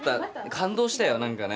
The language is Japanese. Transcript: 感動したよ何かね。